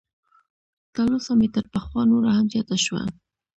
تلوسه مې تر پخوا نوره هم زیاته شوه.